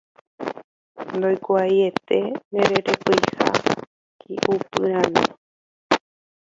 Ndoikuaaiete ndererekoiha hi'upyrãmi.